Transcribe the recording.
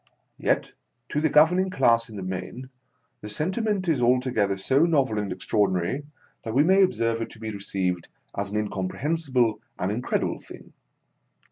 Yet, to the govern ing class in the main, the sentiment is alto gether so novel and extraordinary, that we may observe it to be received as an in comprehensible and incredible thing.